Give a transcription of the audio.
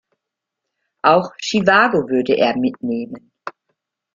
Auch Schiwago würde er mitnehmen.